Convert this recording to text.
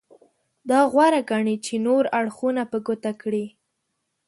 دا غوره ګڼي چې نور اړخونه په ګوته کړي.